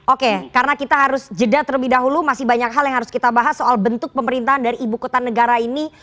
oke karena kita harus jeda terlebih dahulu masih banyak hal yang harus kita bahas soal bentuk pemerintahan dari ibu kota negara ini